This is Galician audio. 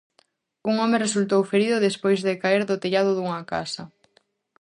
Un home resultou ferido despois de caer do tellado dunha casa.